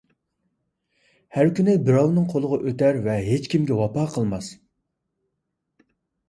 ھەر كۈنى بىراۋنىڭ قولىغا ئۆتەر ۋە ھېچكىمگە ۋاپا قىلماس.